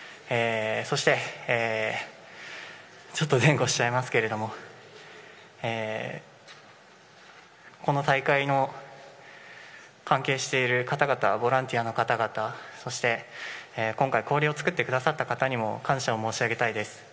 そして、ちょっと前後しちゃいますけれどもこの大会の関係している方々ボランティアの方々今回氷を作ってくださった方々にも感謝を申し上げたいと思います。